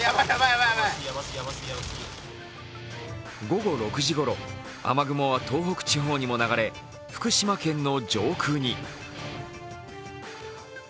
午後６時ごろ、雨雲は東北地方にも流れ、福島県の上空に。